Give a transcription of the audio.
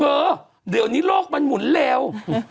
เออเดี๋ยวนี้โลกมันหมุนเร็ว